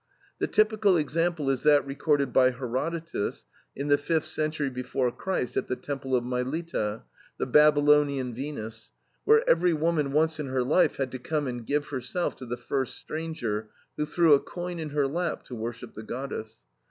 The typical example is that recorded by Herodotus, in the fifth century before Christ, at the Temple of Mylitta, the Babylonian Venus, where every woman, once in her life, had to come and give herself to the first stranger, who threw a coin in her lap, to worship the goddess.